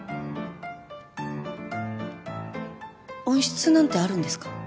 温室なんてあるんですか？